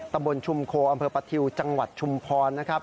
ตำบลชุมโคอำเภอประทิวจังหวัดชุมพรนะครับ